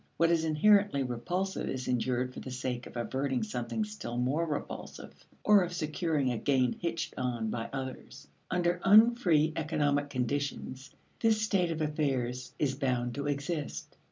What is inherently repulsive is endured for the sake of averting something still more repulsive or of securing a gain hitched on by others. Under unfree economic conditions, this state of affairs is bound to exist.